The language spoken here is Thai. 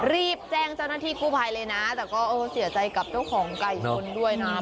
รีบแจ้งเจ้าหน้าที่กู้ภัยเลยนะแต่ก็เสียใจกับเจ้าของไก่ชนด้วยนะ